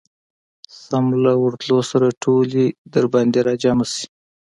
سم له ورتلو سره ټولې درباندي راجمعه شي.